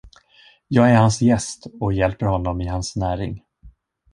Jag är hans gäst och hjälper honom i hans näring.